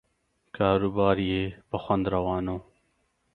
کاروبار یې په خوند روان و.